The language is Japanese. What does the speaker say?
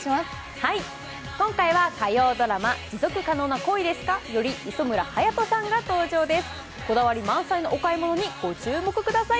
今回は火曜ドラマ「持続可能な恋ですか？」より磯村勇斗さんが登場です。